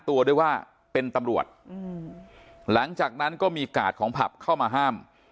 ตัวด้วยว่าเป็นตำรวจหลังจากนั้นก็มีกาดของผับเข้ามาห้าม